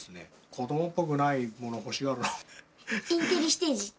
子どもっぽくないもの欲しがるん